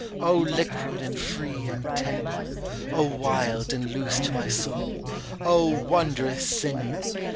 O liquid and free and tender! O wild and loose to my soul O wondrous singer!